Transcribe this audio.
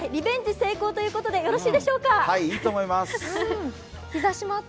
成功ということでよろしいでしょうか。